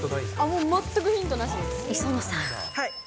もう全くヒントなしです。